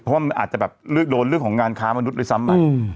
เพราะว่ามันอาจจะโดนเรื่องของงานค้ามนุษย์เลยซ้ำใหม่